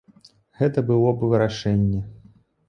Гэта было б вырашэнне.